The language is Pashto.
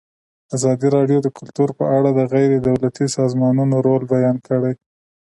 ازادي راډیو د کلتور په اړه د غیر دولتي سازمانونو رول بیان کړی.